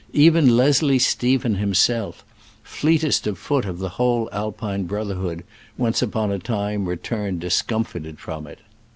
Even Leslie Stephen himself, fleetest of foot of the whole Alpine brotherhood, once upon a time returned discomfited from it.